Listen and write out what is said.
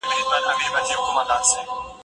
د واک سوله ييز لېږد د سياسي ثبات لامل کيږي.